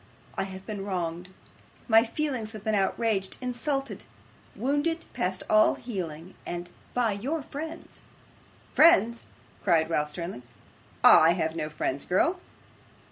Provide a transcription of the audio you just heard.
I have been wronged; my feelings have been outraged, insulted, wounded past all healing, and by your friends.' 'Friends!' cried Ralph, sternly. 'I have no friends, girl.